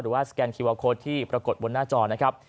หรือว่าสแกนคิวอัลโค้ดที่ปรากฏบนหน้าจอนะครับ